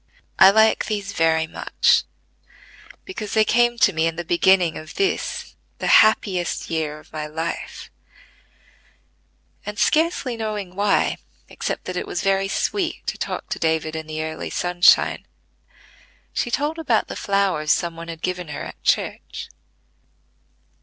"I like these very much, because they came to me in the beginning of this, the happiest year of my life;" and scarcely knowing why, except that it was very sweet to talk with David in the early sunshine, she told about the flowers some one had given her at church.